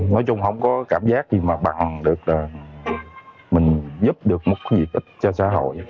nói chung không có cảm giác gì mà bằng được là mình giúp được một cái việc ít cho xã hội